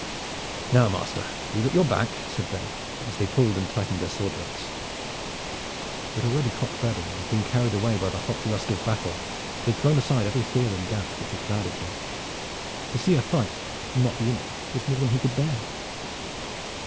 "Now, master, we are at your back," said they as they pulled and tightened their sword belts. But already Cock Badding had been carried away by the hot lust of battle and had thrown aside every fear and doubt which had clouded him. To see a fight and not to be in it was more than he could bear.